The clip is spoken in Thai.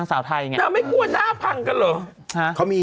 น้ำไม่กลัวหน้าพังกันเหรอ